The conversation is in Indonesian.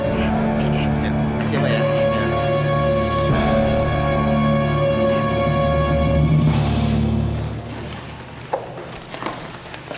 terima kasih pak